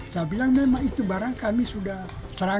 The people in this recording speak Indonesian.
saya bilang memang itu barang kami sudah serang